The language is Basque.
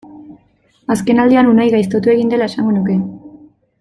Azkenaldian Unai gaiztotu egin dela esango nuke.